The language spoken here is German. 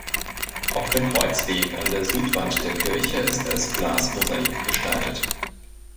Auch der Kreuzweg an der Südwand der Kirche ist als Glasmosaik gestaltet.